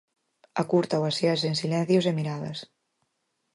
A curta baséase en silencios e miradas.